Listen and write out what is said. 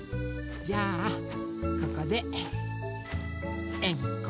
じゃあここでえんこっしょ。